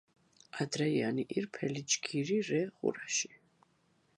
ადრეიანი ირფელი ჯგირი რე ღურაში